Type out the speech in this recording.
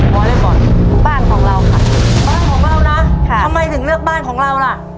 วอเล็กบอลบ้านของเราค่ะบ้านของเรานะค่ะทำไมถึงเลือกบ้านของเราล่ะ